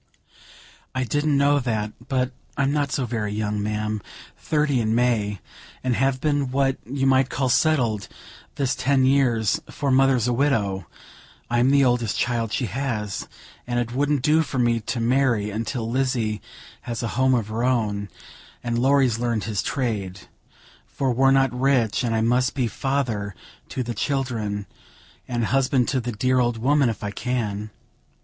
"I didn't know that; but I'm not so very young, ma'am, thirty in May, and have been what you might call settled this ten years; for mother's a widow, I'm the oldest child she has, and it wouldn't do for me to marry until Lizzy has a home of her own, and Laurie's learned his trade; for we're not rich, and I must be father to the children and husband to the dear old woman, if I can."